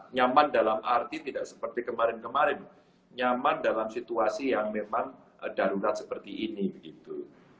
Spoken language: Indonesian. nyaman dalam arti tidak seperti kemarin kemarin nyaman dalam situasi yang memang darurat seperti ini begitu